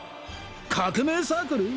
革命サークル！？